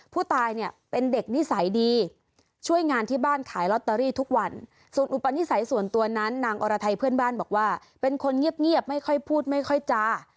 ผู้ตายเนี่ยเป็นเด็กนิสัยดีช่วยงานที่บ้านขายลอตเตอรี่ทุกวันส่วนอุปนิสัยส่วนตัวนั้นนางอรไทยเพื่อนบ้านบอกว่าเป็นคนเงียบไม่ค่อยพูดไม่ค่อยจา